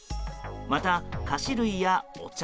また、菓子類やお茶